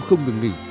không ngừng nghỉ